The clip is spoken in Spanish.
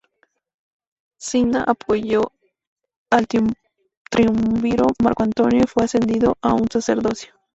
Cinna apoyó al triunviro Marco Antonio y fue ascendido a un sacerdocio.